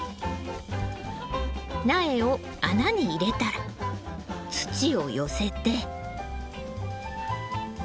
苗を穴に入れたら土を寄せて。